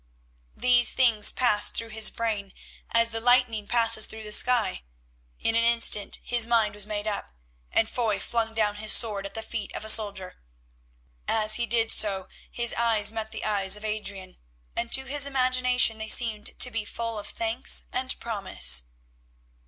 These things passed through his brain as the lightning passes through the sky. In an instant his mind was made up and Foy flung down his sword at the feet of a soldier. As he did so his eyes met the eyes of Adrian, and to his imagination they seemed to be full of thanks and promise.